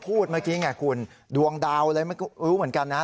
พูดเหมือนกันแหละคุณดวงดาวน์อะไรเหมือนกันน้า